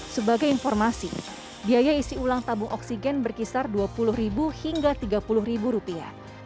sebagai informasi biaya isi ulang tabung oksigen berkisar dua puluh hingga tiga puluh rupiah